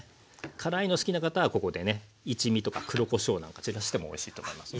辛いの好きな方はここでね一味とか黒こしょうなんか散らしてもおいしいと思いますね。